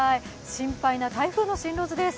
心配な台風の進路図です。